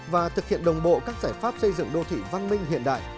và thực hiện đồng bộ các giải pháp xây dựng đô thị văn minh hiện đại